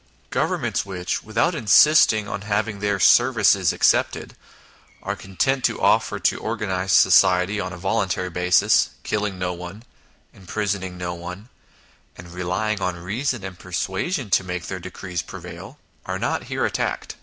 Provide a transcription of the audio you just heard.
Governments which, without insisting on having their services accepted, are content to offer to organise society on a voluntary basis killing no one, imprisoning no one, and relying on reason and persuasion to make their decrees prevail are not here attacked.